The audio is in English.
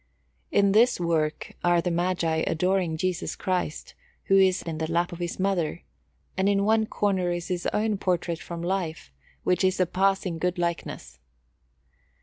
In this work are the Magi adoring Jesus Christ, who is in the lap of His Mother, and in one corner is his own portrait from life, which is a passing good likeness.